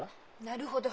なるほど！